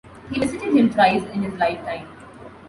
He visited him thrice in his lifetime.